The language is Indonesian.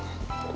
gue gak tau ya